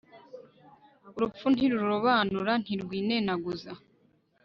urupfu ntirurobanura, ntirwinenaguza